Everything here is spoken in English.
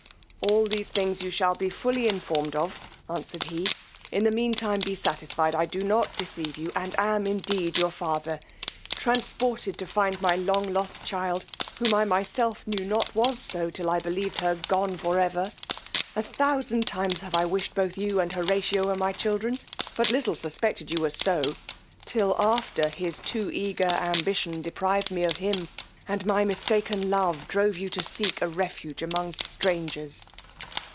All these things you shall be fully informed of, answered he; in the mean time be satisfied I do not deceive you, and am indeed your father: transported to find my long lost child, whom I myself knew not was so till I believed her gone for ever; a thousand times I have wished both you and Horatio were my children, but little suspected you were so, till after his too eager ambition deprived me of him, and my mistaken love drove you to seek a refuge among strangers.